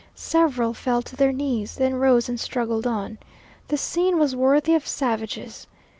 Several fell to their knees, then rose and struggled on. The scene was worthy of savages.